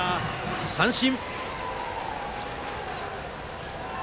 三振。